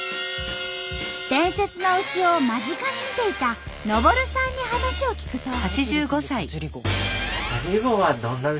伝説の牛を間近に見ていた昇さんに話を聞くと。